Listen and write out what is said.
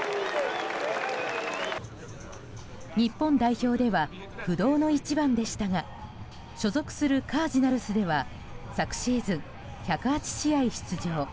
日本代表では不動の１番でしたが所属するカージナルスでは昨シーズン１０８試合出場。